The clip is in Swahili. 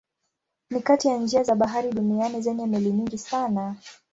Ni kati ya njia za bahari duniani zenye meli nyingi sana.